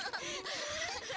terima kasih ya